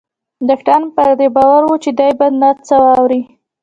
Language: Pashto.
ډاکتران پر دې باور وو چې دی به نه څه واوري.